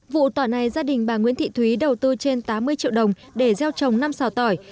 vụ tỏi này gia đình bà nguyễn thị thúy đầu tư trên tám mươi triệu đồng để gieo trồng năm xào tỏi